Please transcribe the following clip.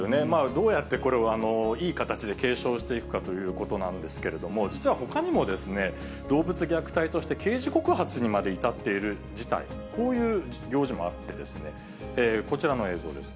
どうやってこれをいい形で継承していくかということなんですけれども、実はほかにも、動物虐待として刑事告発にまで至っている事態、こういう行事もあってですね、こちらの映像です。